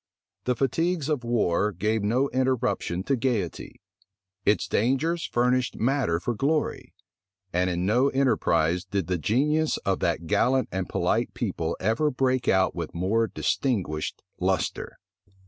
The fatigues of war gave no interruption to gayety: its dangers furnished matter for glory; and in no enterprise did the genius of that gallant and polite people ever break out with more distinguished lustre.